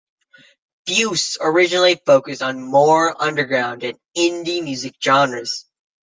Fuse originally focused on more underground and indie music genres.